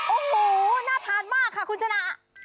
โอ้โหน่าทานมากค่ะคุณชนะ